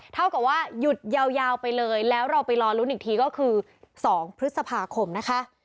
เท่ากับว่าหยุดยาวไปเลยแล้วเราไปรอลุ้นอีกทีก็คือ๒พฤษภาคมนะคะ